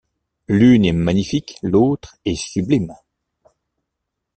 L’une est magnifique, l’autre est sublime.